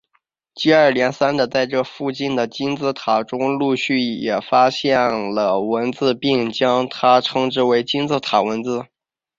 接二连三的在这附近的金字塔当中陆续了也发现了该文字并将它称为金字塔文本。